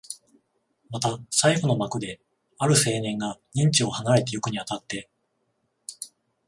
また最後の幕で、ある青年が任地を離れてゆくに当たって、